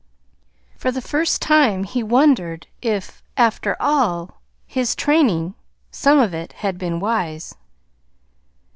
For the first time he wondered if, after all, his training some of it had been wise.